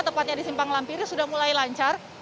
tepatnya di simpang lampiri sudah mulai lancar